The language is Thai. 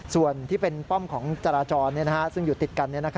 ส่วนที่เป็นป้อมของจราจรซึ่งอยู่ติดกัน